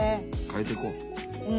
変えていこう。